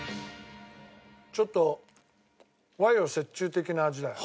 ちょっと和洋折衷的な味だよ。